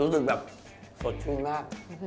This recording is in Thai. รู้สึกแบบสดชื่นมาก